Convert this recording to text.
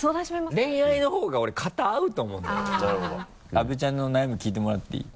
阿部ちゃんの悩み聞いてもらっていい？